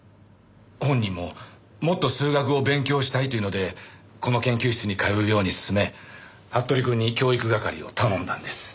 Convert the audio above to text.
本人ももっと数学を勉強したいと言うのでこの研究室に通うように勧め服部くんに教育係を頼んだんです。